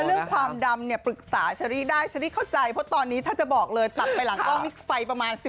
เรื่องความดำปรึกษาฉันได้